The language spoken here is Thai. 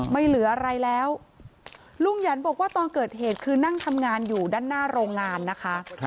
ไม่เหลืออะไรแล้วลุงหยันบอกว่าตอนเกิดเหตุคือนั่งทำงานอยู่ด้านหน้าโรงงานนะคะ